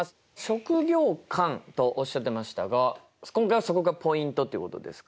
職業観とおっしゃってましたが今回はそこがポイントっていうことですか？